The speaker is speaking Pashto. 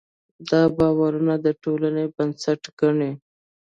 دا باورونه د ټولنې بنسټ ګڼي.